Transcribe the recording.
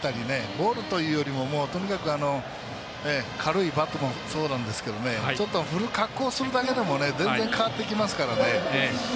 ボールというより、とにかく軽いバットもそうですけどちょっと振る格好をするだけでも全然、変わってきますからね。